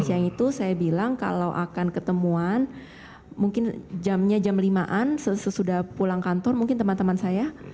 siang itu saya bilang kalau akan ketemuan mungkin jamnya jam lima an sesudah pulang kantor mungkin teman teman saya